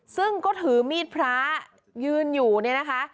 ซึ่งก็ถือมีดพระยืนอยู่เนี่ยนะคะ